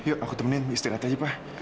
yuk aku temenin istirahat aja pak